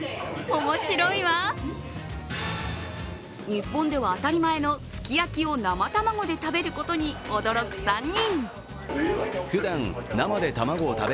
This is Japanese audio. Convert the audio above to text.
日本では当たり前のすき焼きを生卵で食べることに驚く３人。